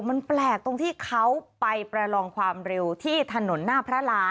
มันแปลกตรงที่เขาไปประลองความเร็วที่ถนนหน้าพระรา